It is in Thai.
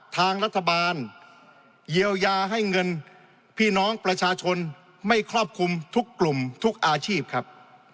ทางรัฐบาลเยียวยาให้เงินพี่น้องประชาชนไม่ครอบคลุมทุกกลุ่มทุกอาชีพครับ